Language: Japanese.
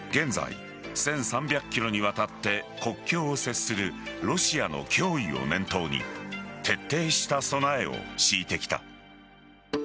現在１３００ｋｍにわたって国境を接するロシアの脅威を念頭に徹底した備えを敷いてきた。